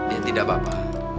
ya tidak apa apa